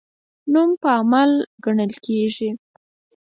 نوم په عمل ګټل کیږي